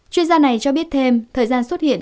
chuyên gia này cho biết thêm thời gian xuất hiện